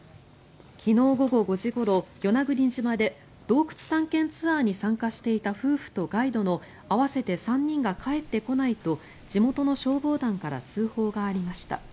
昨日午後５時ごろ与那国島で洞窟探検ツアーに参加していた夫婦とガイドの合わせて３人が帰ってこないと地元の消防団から通報がありました。